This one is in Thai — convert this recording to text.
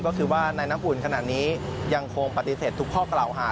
ก็คือว่าในน้ำอุ่นขณะนี้ยังคงปฏิเสธทุกข้อกระเหล่าหา